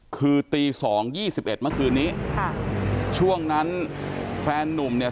คือตีสองยี่สิบเอ็ดเมื่อคืนนี้ค่ะช่วงนั้นแฟนนุ่มเนี่ย